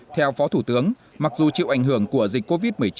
theo phó thủ tướng mặc dù chịu ảnh hưởng của dịch covid một mươi chín